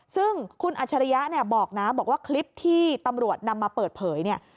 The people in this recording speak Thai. ซึ่งคุณอัจฉริยะเนี่ยบอกนะบอกว่าคลิปที่ตำรวจนำมาเปิดเผยเนี่ย